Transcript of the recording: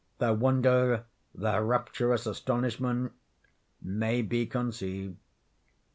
Their wonder—their rapturous astonishment—may be conceived.